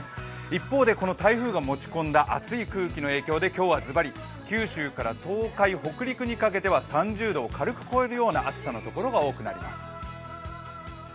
一方でこの台風が持ち込んだ暑い空気の影響で今日はズバリ、九州から東海、北陸にかけては３０度を軽く超えるような暑さのところが多くなります。